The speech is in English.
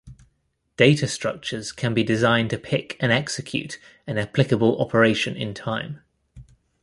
Data structures can be designed to pick and execute an applicable operation in time.